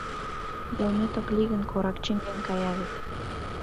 — Йылмет ок лий гын, корак чӱҥген кая вет.